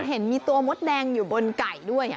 เห็นมีตัวมดแดงอยู่บนไก่ด้วย